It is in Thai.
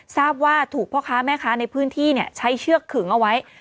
ทราบว่าถูกพ่อค้าแม่ค้าในพื้นที่ใช้เชือกขึงเอาไว้